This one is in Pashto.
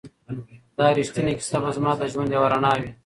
دا ریښتینې کیسه به زما د ژوند یوه رڼا وي.